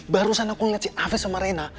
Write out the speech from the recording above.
barusan aku liat si afis sama reina